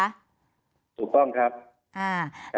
ถูกต้องครับ